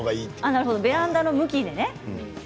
なるほど、ベランダの向きでね。